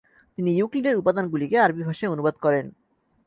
তিনি ইউক্লিডের উপাদানগুলিকে আরবি ভাষায় অনুবাদ করেন।